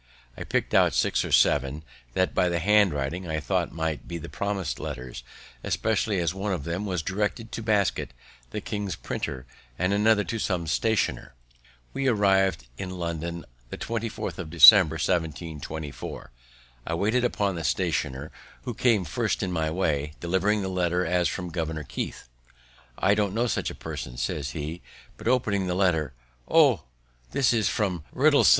I picked out six or seven, that, by the handwriting, I thought might be the promised letters, especially as one of them was directed to Basket, the king's printer, and another to some stationer. We arriv'd in London the 24th of December, 1724. I waited upon the stationer, who came first in my way, delivering the letter as from Governor Keith. "I don't know such a person," says he; but, opening the letter, "O! this is from Riddlesden.